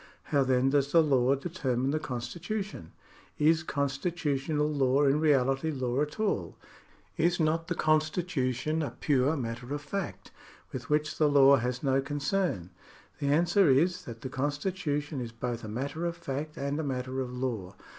How then does the law determine the constitu tion ? Is constitutional law in reality law at all ? Is not the constitution a pure matter oifact, with which the law has no concern ? The answer is, that the constitution is both a matter of fact and a matter of law.